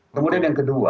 kemudian yang kedua